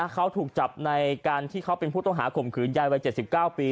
เขาถูกจับในการที่เขาเป็นผู้ต้องหาข่มขืนยายวัย๗๙ปี